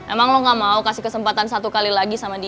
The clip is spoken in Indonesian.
emang lo gak mau kasih kesempatan satu kali lagi sama dia